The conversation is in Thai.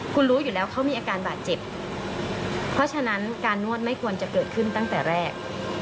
คุณรู้อยู่แล้วเขามีอาการบาดเจ็บเพราะฉะนั้นการนวดไม่ควรจะเกิดขึ้นตั้งแต่แรก